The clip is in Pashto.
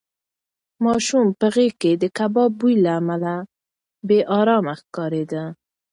ماشوم په غېږ کې د کباب بوی له امله بې ارامه ښکارېده.